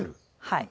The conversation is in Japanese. はい。